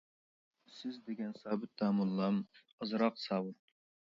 سىز دېگەن سابىت داموللام، ئازاق ساۋۇت.